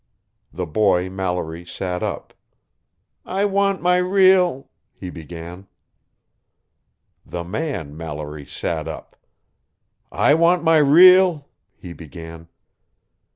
The boy Mallory sat up. "I want my real " he began. The man Mallory sat up. "I want my real " he began.